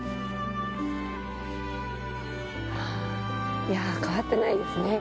いやー、変わってないですね。